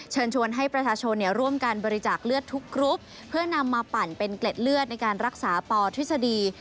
เชิญชวนให้ประชาชนร่วมกันบริจาคเลือดทุกกรุ๊ปเพื่อนำมาปั่นเป็นเกล็ดเลือดในการรักษาปอทฤษฎี